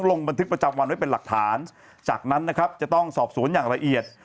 ลงบันทึกประจำวันไว้เป็นหลักฐานจากนั้นนะครับจะต้องสอบสวนอย่างละเอียด